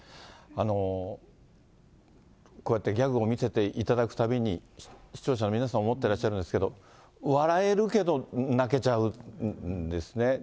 こうやってギャグを見せていただくたびに、視聴者の皆さん、思ってらっしゃるんですけど、笑えるけど泣けちゃうんですね。